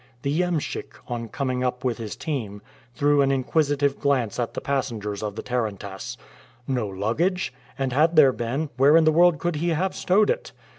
The iemschik, on coming up with his team, threw an inquisitive glance at the passengers of the tarantass. No luggage! and had there been, where in the world could he have stowed it?